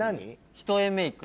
一重メイク。